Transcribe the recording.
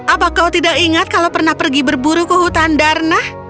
apa kau tidak ingat kalau pernah pergi berburu ke hutan darna